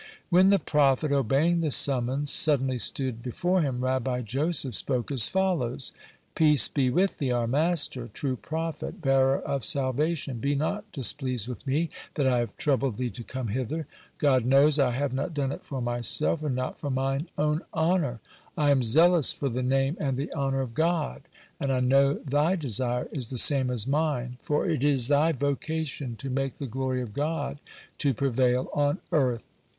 When the prophet, obeying the summons, suddenly stood before him, Rabbi Joseph spoke as follows: "Peace be with thee, our master! True prophet, bearer of salvation, be not displeased with me that I have troubled thee to come hither. God knows, I have not done it for myself, and not for mine own honor. I am zealous for the name and the honor of God, and I know thy desire is the same as mine, for it is thy vocation to make the glory of God to prevail on earth.